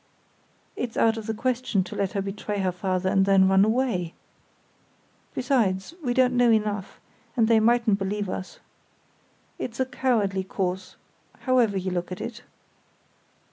"It's out of the question to let her betray her father, and then run away! Besides, we don't know enough, and they mightn't believe us. It's a cowardly course, however you look at it."